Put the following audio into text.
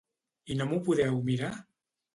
I no m'ho podeu mirar?